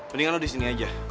mendingan lo di sini aja